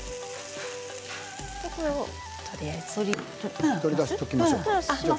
僕が取り出しておきましょうか。